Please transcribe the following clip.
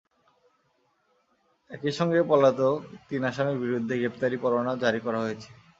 একই সঙ্গে পলাতক তিন আসামির বিরুদ্ধে গ্রেপ্তারি পরোয়ানা জারি করা হয়েছে।